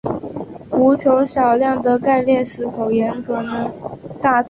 无穷小量的概念是否严格呢？